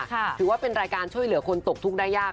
ถือว่าเป็นรายการช่วยเหลือคนตกทุกข์ได้ยาก